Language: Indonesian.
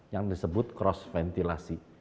yang disebut cross ventilasi